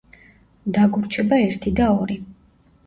დაგვრჩება ერთი და ორი.